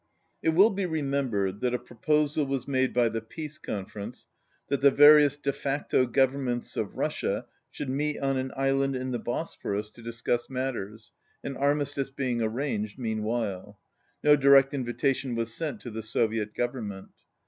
It will be remembered that a proposal was made by the Peace Conference that the various de facto governments of Russia should meet on an island in the Bosphorus to discuss matters, an armistice being arranged meanwhile. No direct invitation was sent to the Soviet Government.